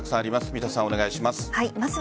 三田さん、お願いします。